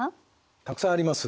たくさんあります。